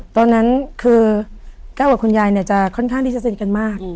ตอนนั้นคือแก้วกับคุณยายเนี่ยจะค่อนข้างที่จะสนิทกันมาก